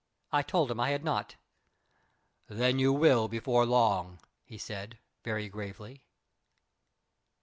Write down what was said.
I told him I had not. "Then you will before long," he said, very gravely.